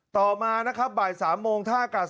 ต่อมานะครับบ่าย๓โมงท่ากาศ